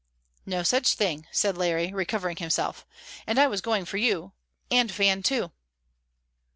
"No such thing," said Larry, recovering himself, "and I was going for you; and Van, too."